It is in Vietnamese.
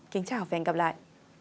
kính chào và hẹn gặp lại